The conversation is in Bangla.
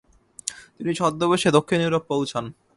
তিনি ছদ্মবেশে দক্ষিণ ইউরোপ পৌছান।